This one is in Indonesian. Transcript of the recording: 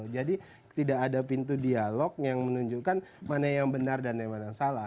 jadi tidak ada pintu dialog yang menunjukkan mana yang benar dan mana yang salah